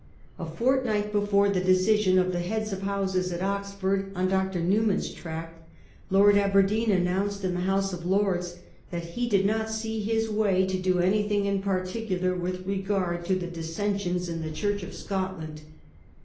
A fortnight before the decision of the heads of houses at Oxford on Dr. Newman's tract, Lord Aberdeen announced in the House of Lords that he did not see his way to do anything in particular with regard to the dissensions in the Church of Scotland.